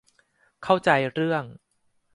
เข้าใจเรื่อง